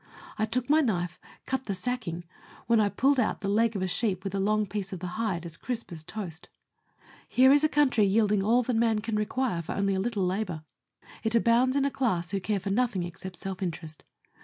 I took my knife, cut the sacking, when I pulled out the leg of a sheep with a long piece of the hide as crisp as a toast. Here is a country yielding all that man can require for only a little labour. It abounds in a class who care for nothing excepting self interest.